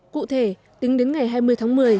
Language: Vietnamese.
cụ thể tính đến ngày hai mươi tháng một mươi